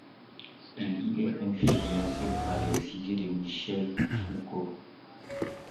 Il y est influencé par les idées de Michel Foucault.